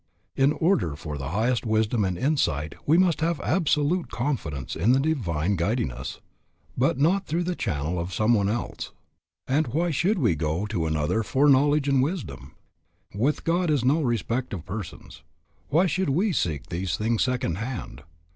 In order for the highest wisdom and insight we must have absolute confidence in the Divine guiding us, but not through the channel of some one else. And why should we go to another for knowledge and wisdom? With God is no respect of persons. Why should we seek these things second hand?